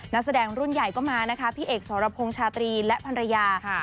นักแสดงรุ่นใหญ่ก็มานะคะพี่เอกสรพงษ์ชาตรีและภรรยาค่ะ